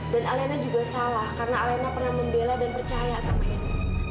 dan alena juga salah karena alena pernah membela dan percaya sama edo